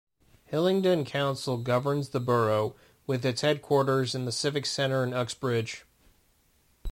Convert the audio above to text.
Hillingdon Council governs the borough, with its headquarters in the Civic Centre in Uxbridge.